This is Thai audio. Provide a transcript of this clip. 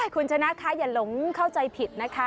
คุณชนะคะอย่าหลงเข้าใจผิดนะคะ